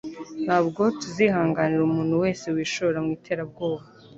Ntabwo tuzihanganira umuntu wese wishora mu iterabwoba.